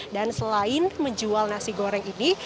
dan selain menjual nasi goreng ini